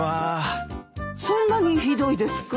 そんなにひどいですか？